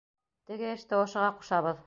Теге эште ошоға ҡушабыҙ!